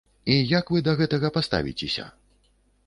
І як вы да гэтага паставіцеся?